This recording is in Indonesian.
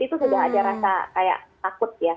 itu sudah ada rasa kayak takut ya